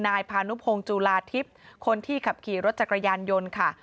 นายพานุพงศ์จุลาทิพย์คนที่ขับขี่รถจักรยานยนต์ค่ะ